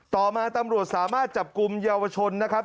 ต่อมาตำรวจสามารถจับกลุ่มเยาวชนนะครับ